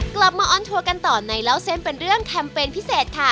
มาออนทัวร์กันต่อในเล่าเส้นเป็นเรื่องแคมเปญพิเศษค่ะ